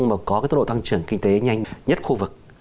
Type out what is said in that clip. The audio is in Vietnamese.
mà có cái tốc độ tăng trưởng kinh tế nhanh nhất khu vực